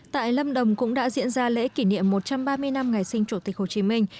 tại lâm đồng cũng đã diễn ra lễ kỷ niệm một trăm ba mươi năm ngày sinh chủ tịch hồ chí minh